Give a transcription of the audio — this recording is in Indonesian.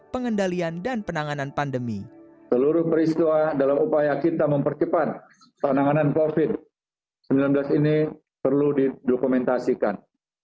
penanganan covid sembilan belas ini perlu didokumentasikan